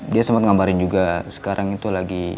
dia sempat ngabarin juga sekarang itu lagi